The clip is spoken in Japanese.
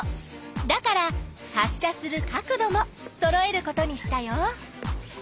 だから発しゃする角度もそろえることにしたよ。